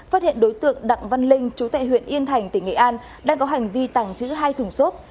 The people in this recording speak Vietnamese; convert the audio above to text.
phát hiện đối tượng đặng văn linh chú tệ huyện yên thành tỉnh nghệ an đang có hành vi tẳng chữ hai thùng xốp